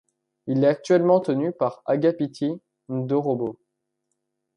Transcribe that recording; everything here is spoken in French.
Il est actuellement tenu par Agapiti Ndorobo.